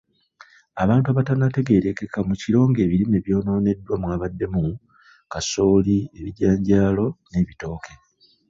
Abantu abatannategeerekeka mu kiro ng'ebirime ebyayonooneddwa mwabaddemu; kasooli, ebijanjaalo n'ebitooke.